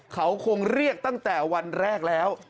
เขาคงเรียกตั้งแต่วันแรกแล้ว